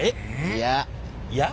いや。いや？